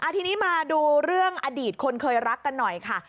ทีนี้มาดูเรื่องอดีตคนเคยรักกันหน่อยค่ะ